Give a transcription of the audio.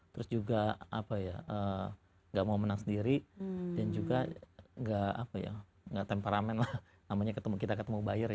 terus juga apa ya nggak mau menang sendiri dan juga nggak apa ya nggak temperamen lah namanya ketemu kita ketemu buyer ya